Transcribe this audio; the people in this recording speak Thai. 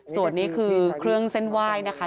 ส่วนนี้คือเครื่องเส้นไหว้นะคะ